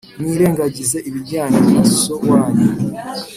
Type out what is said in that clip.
Mwirengagize ibijyanye na so wanyu